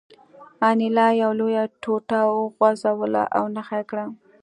انیلا یوه لویه ټوټه وخوځوله او نښه یې راکړه